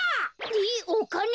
えっおかね！？